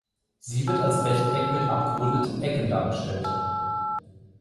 Sie wird als Rechteck mit abgerundeten Ecken dargestellt.